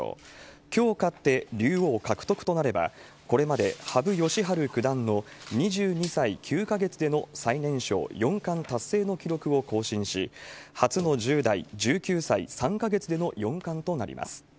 きょう勝って竜王獲得となれば、これまで羽生善治九段の２２歳９か月での最年少四冠達成の記録を更新し、初の１０代、１９歳３か月での四冠となります。